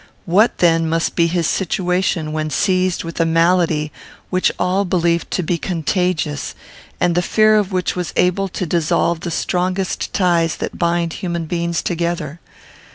What then must be his situation when seized with a malady which all believed to be contagious, and the fear of which was able to dissolve the strongest ties that bind human beings together?